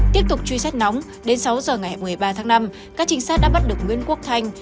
tiếp tục truy xét nóng đến sáu giờ ngày một mươi ba tháng năm các trinh sát đã bắt được nguyễn quốc thanh